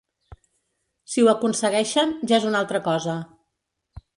Si ho aconsegueixen, ja és una altra cosa.